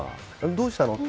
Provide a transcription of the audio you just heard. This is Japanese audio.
どうしたの？